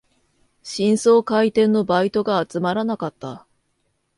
新装開店のバイトが集まらなかった